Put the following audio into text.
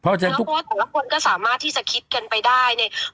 เพราะว่าแต่ละคนก็สามารถที่จะคิดกันไปได้เนี่ย